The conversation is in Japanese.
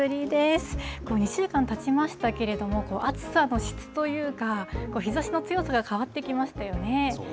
２週間たちましたけれども、暑さの質というか、日ざしの強さが変わってきましたよね。